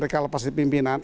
kalau pasti pimpinan